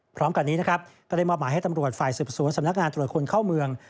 พร้อมกันนี้นะครับก็ได้มอบหมายให้ตำรวจฝ่ายสืบสวนสำนักงานตรวจคนเข้าเมือง